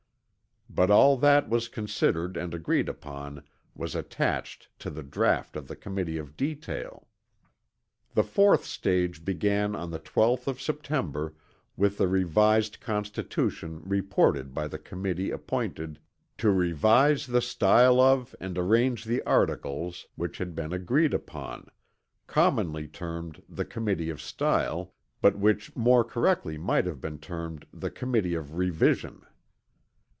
But all that was considered and agreed upon was attached to the draught of the Committee of Detail. The fourth stage began on the 12th of September with the revised Constitution reported by the Committee appointed "to revise the style of and arrange the articles" which had been agreed upon, commonly termed the "Committee of Style," but which more correctly might have been termed the Committee of Revision.